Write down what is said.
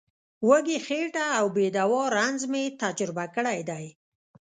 وږې خېټه او بې دوا رنځ مې تجربه کړی دی.